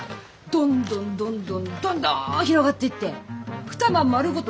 どんどんどんどんどんどん広がっていって２間丸ごと